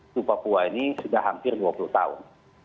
tupapua ini sudah hampir dua puluh tahun